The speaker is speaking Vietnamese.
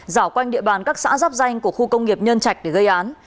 dảo quanh địa bàn các xã dắp danh của khu công nghiệp nhân trạch để gây án